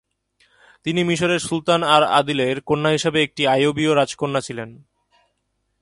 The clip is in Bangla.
তিনি মিশরের সুলতান আল-আদিলের কন্যা হিসাবে একটি আইয়ুবীয় রাজকন্যা ছিলেন।